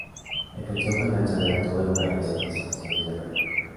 La canción fue lanzada en todo el país en las estaciones de radio.